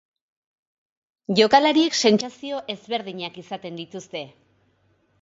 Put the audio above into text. Jokalariek sentsazio ezberdinak izaten dituzte.